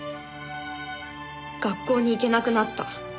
学校に行けなくなった。